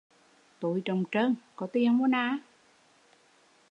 Túi trống trơn, có tiền mô nà